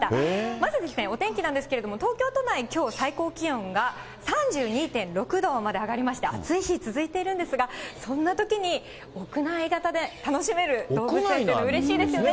まずお天気なんですけれども、東京都内、きょう最高気温が３２．６度まで上がりまして、暑い日、続いているんですが、そんなときに、屋内型で楽しめる動物園というのうれしいですね。